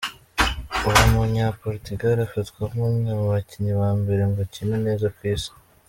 Uwo munya Portugal afatwa nk'umwe mu bakinyi ba mbere bakina neza kw'isi.